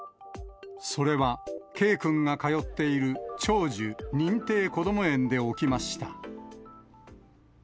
それは、Ｋくんが通っている長寿認定こども園で起きました。